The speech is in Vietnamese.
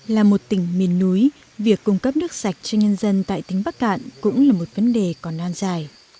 là một tỉnh miền núi việc cung cấp nước sạch cho nhân dân tại tỉnh bắc cạn cũng là một vấn đề còn an dài